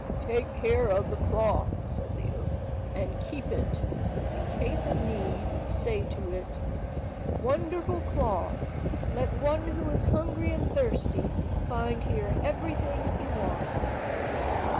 "Take care of the cloth," said the oak, "and keep it. In case of need, say to it— "'Wonderful cloth, let one who is hungry and thirsty find here everything he wants.